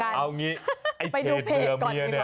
เอาอย่างนี้ไปดูเพจก่อน